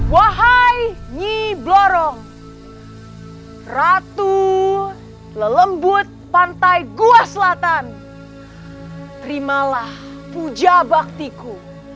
wahai nyi blorong ratu lelembut pantai gua selatan terimalah puja baktiku